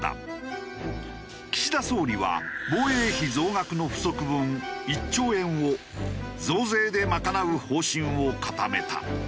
岸田総理は防衛費増額の不足分１兆円を増税で賄う方針を固めた。